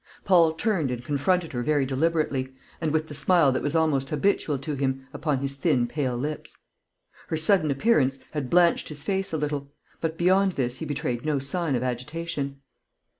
Paul turned and confronted her very deliberately, and with the smile that was almost habitual to him upon his thin pale lips. Her sudden appearance had blanched his face a little; but beyond this he betrayed no sign of agitation.